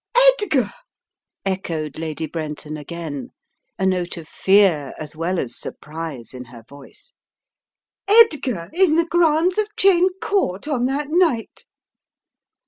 "Edgar?" echoed Lady Brenton again, a note of A Twisted Clue 237 fear as well as surprise in her voice. "Edgar in the grounds of Cheyne Court on that night